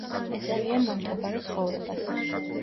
ეწევიან მომთაბარე ცხოვრებას.